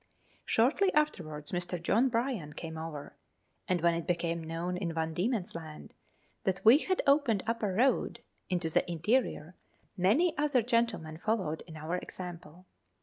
Shortly afterwards Mr. John Bryan came over; and when it became known in Van Diemen's Land that we had opened up a road into the interior many other gentlemen followed our 'example.